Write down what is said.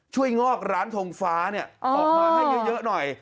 งอกร้านทงฟ้าออกมาให้เยอะหน่อย